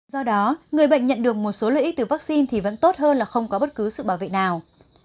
do đó người bệnh nhận được một số lợi ích từ vaccine thì vẫn tốt hơn là không có bất cứ sự bảo vệ nào